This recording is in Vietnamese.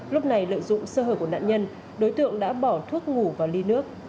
lúc này lợi dụng sơ hở của nạn nhân đối tượng đã bỏ thuốc ngủ vào ly nước